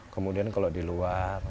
kemudian kalau di luar